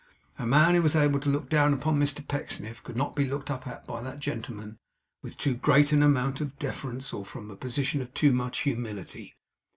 A man who was able to look down upon Mr Pecksniff could not be looked up at, by that gentleman, with too great an amount of deference, or from a position of too much humility.